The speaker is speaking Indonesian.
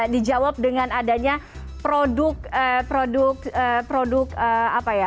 dijawab dengan adanya produk produk apa ya